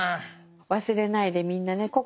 忘れないでみんなね